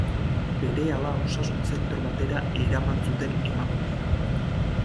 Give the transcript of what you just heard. Berehala osasun zentro batera eraman zuten emakumea.